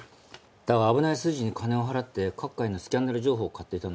だが危ない筋に金を払って各界のスキャンダル情報を買っていたのは本当らしい。